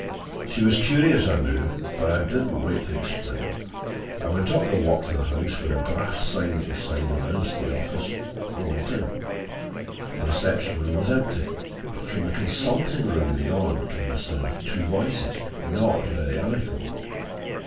She was curious, I knew, but I did not wait to explain. I went up the walk to the house, where a brass sign at the side announced the office, and went in. The reception room was empty, but from the consulting room beyond came the sound of two voices, not very amicable.